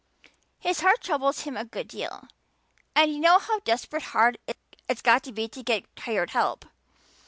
His heart troubles him a good deal. And you know how desperate hard it's got to be to get hired help.